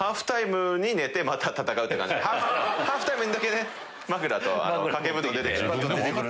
ハーフタイムにだけね枕と掛け布団出てきます。